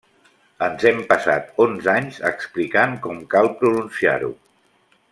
Ens hem passat onze anys explicant com cal pronunciar-ho.